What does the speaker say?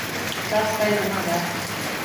دا سپی زما ده